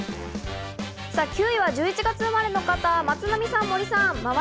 ９位は１１月生まれの方、松並さん、森さん。